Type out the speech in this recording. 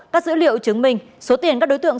các dữ liệu chứng minh số tiền các đối tượng